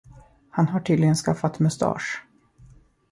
Han har tydligen skaffat mustasch.